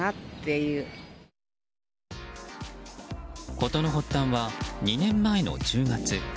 事の発端は２年前の１０月。